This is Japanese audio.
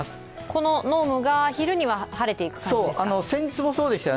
この濃霧が昼には晴れていく感じですか？